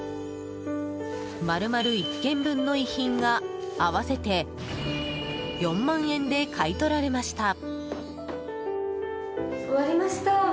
丸々１軒分の遺品が合わせて４万円で買い取られました。